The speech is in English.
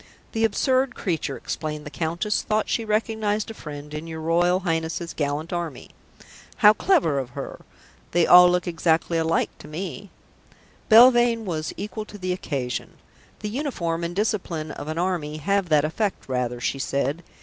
"The absurd creature," explained the Countess, "thought she recognized a friend in your Royal Highness's gallant Army." "How clever of her! They all look exactly alike to me." Belvane was equal to the occasion. "The uniform and discipline of an army have that effect rather," she said.